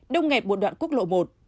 đông nghẹp một đoạn quốc lộ một